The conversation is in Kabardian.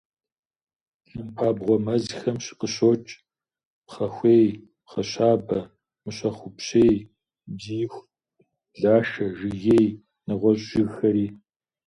Тхьэмпабгъуэ мэзхэм къыщокӀ пхъэхуей, пхъэщабэ, мыщэхупщей, бзииху, блашэ, жыгей, нэгъуэщӀ жыгхэри.